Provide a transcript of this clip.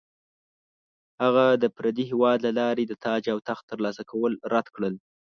هغه د پردي هیواد له لارې د تاج او تخت ترلاسه کول رد کړل.